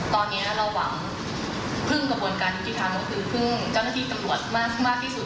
ตอนนี้เราหวังพึ่งกระบวนการยุติธรรมก็คือพึ่งเจ้าหน้าที่ตำรวจมากที่สุด